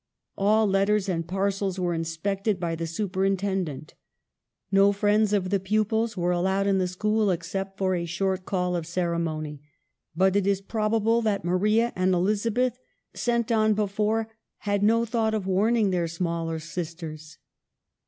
All letters and parcels were inspected by the superinten dent ; no friends of the pupils were allowed in the school, except for a short call of ceremony. But it is probable that Maria and Elizabeth, sent on before, had no thought of warning their smaller sisters.